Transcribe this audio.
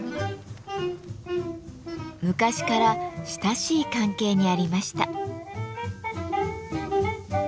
昔から親しい関係にありました。